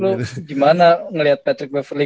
lu gimana ngeliat patrick beverley